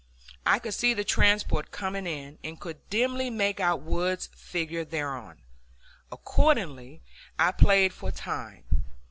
I could see the transport coming in, and could dimly make out Wood's figure thereon. Accordingly I played for time.